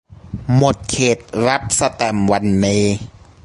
หมดเขตรับสแตมป์วันนี้